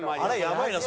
やばいな。